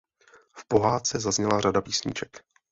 V pohádce zazněla řada písniček.